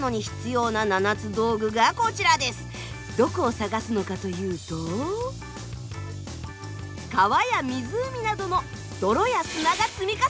どこを探すのかというと川や湖などの泥や砂が積み重なった地層。